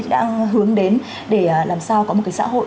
đã hướng đến để làm sao có một xã hội